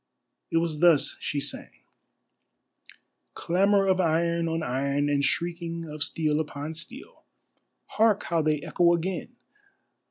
It was thus she sang: Clamour of iron on iron, and shrieking of steel upon steel, Hark how they echo again!